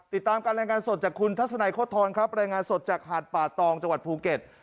ติดตามการรายงานสดจากคุณทัศนัยโค้ทรครับรายงานสดจากหาดป่าตองจังหวัดภูเก็ต